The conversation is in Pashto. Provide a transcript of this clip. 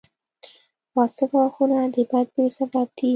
• فاسد غاښونه د بد بوي سبب دي.